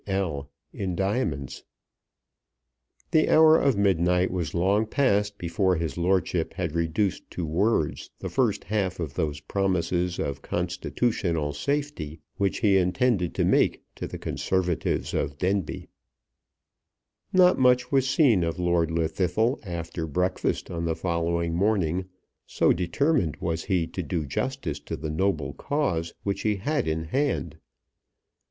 L.," in diamonds. The hour of midnight was long passed before his lordship had reduced to words the first half of those promises of constitutional safety which he intended to make to the Conservatives of Denbigh. Not much was seen of Lord Llwddythlw after breakfast on the following morning, so determined was he to do justice to the noble cause which he had in hand.